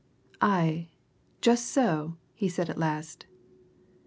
"Aye, just so!" he said at last.